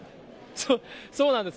そうなんです。